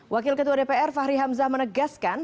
wakil ketua dpr fahri hamzah menegaskan